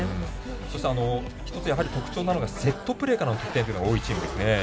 そして、一つ特徴なのがセットプレーからの得点が多いチームですね。